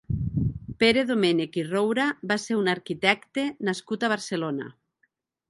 Pere Domènech i Roura va ser un arquitecte nascut a Barcelona.